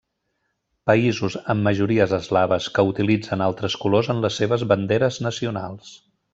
Països amb majories eslaves que utilitzen altres colors en les seves banderes nacionals.